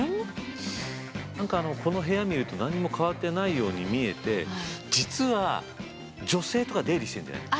何かこの部屋見ると何にも変わってないように見えて実は女性とか出入りしてんじゃない？